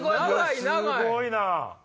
すごいな！